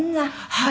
はい。